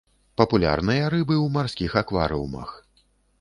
Папулярныя рыбы ў марскіх акварыумах.